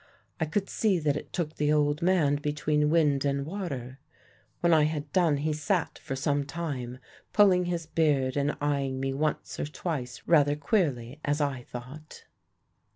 "I could see that it took the old man between wind and water. When I had done he sat for some time pulling his beard and eyeing me once or twice rather queerly, as I thought.